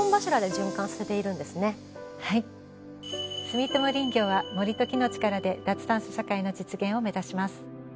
住友林業は森と木の力で脱炭素社会の実現を目指します。